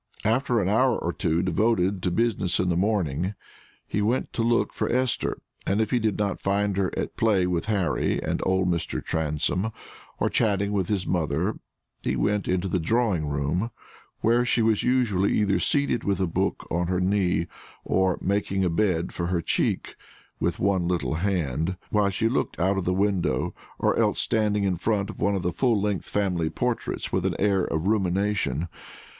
After an hour or two devoted to business in the morning, he went to look for Esther, and if he did not find her at play with Harry and old Mr. Transome, or chatting with his mother, he went into the drawing room, where she was usually either seated with a book on her knee and "making a bed for her cheek" with one little hand, while she looked out of the window, or else standing in front of one of the full length family portraits with an air of rumination.